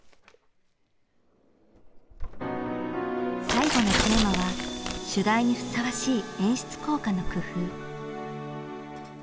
最後のテーマは主題にふさわしい演出効果の工夫。